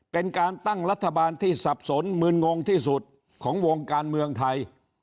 เป็นการตั้งรัฐบาลที่สับสนมืนงงที่สุดของวงการเมืองไทย